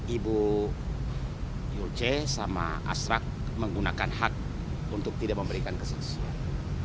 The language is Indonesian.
ibu yoce sama astrak menggunakan hak untuk tidak memberikan kesaksian